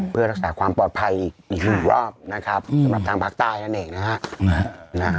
เพื่อรักษาความปลอดภัยอีกหนึ่งรอบนะครับสำหรับทางภาคใต้นั่นเองนะฮะ